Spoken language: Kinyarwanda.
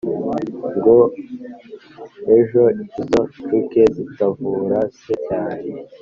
Ngo ejo izo nshuke zitavura se cyane